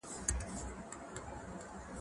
زه درسونه لوستي دي.